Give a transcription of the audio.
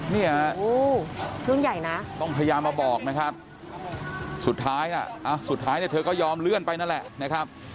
เนี่ยรุ่นใหญ่นะต้องพยายามมาบอกนะครับสุดท้ายน่ะสุดท้ายเนี่ยเธอก็ยอมเลื่อนไปนั่นแหละนะครับ